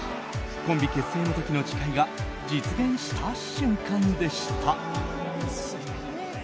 コンビ結成の時の誓いが実現した瞬間でした。